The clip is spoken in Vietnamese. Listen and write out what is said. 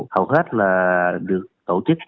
hầu hết được tổ chức